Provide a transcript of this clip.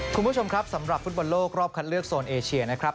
คุณผู้ชมครับสำหรับฟุตบอลโลกรอบคัดเลือกโซนเอเชียนะครับ